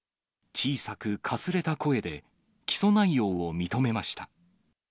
小さくかすれた声で、起訴内容を認めました。